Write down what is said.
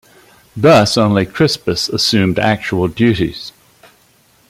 Thus only Crispus assumed actual duties.